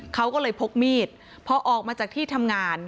เขาก็เลยพกมีดพอออกมาจากที่ทำงาน